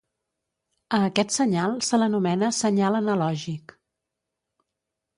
A aquest senyal se l'anomena senyal analògic.